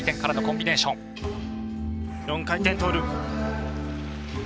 ４回転トーループ。